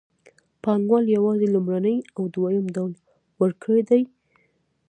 پانګوال یوازې لومړنی او دویم ډول ورکړي دي